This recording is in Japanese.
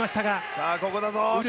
さぁ、ここだぞ。